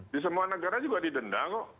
di semua negara juga didenda kok